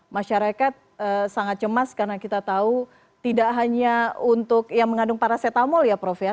masyarakat sangat cemas karena kita tahu tidak hanya untuk yang mengandung paracetamol ya prof ya